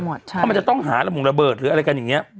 เพราะมันจะต้องหาระมุงระเบิดหรืออะไรกันอย่างนี้